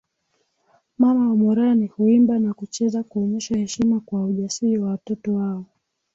Mama wa Morani huimba na kucheza kuonyesha heshima kwa ujasiri wa watoto wao